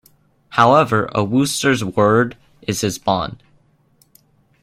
However, a Wooster's word is his bond.